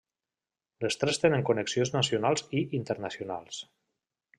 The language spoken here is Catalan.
Les tres tenen connexions nacionals i internacionals.